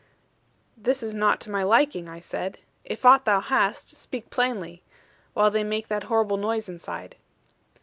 'This is not to my liking,' I said: 'if aught thou hast, speak plainly; while they make that horrible noise inside.'